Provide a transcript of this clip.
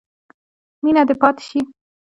مینه دې پاتې شي.